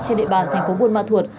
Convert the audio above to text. trên địa bàn thành phố buôn ma thuột